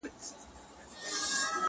که یې سیلیو چڼچڼۍ وهلي-